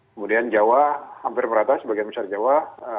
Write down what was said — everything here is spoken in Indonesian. kemudian jawa hampir merata sebagian besar jawa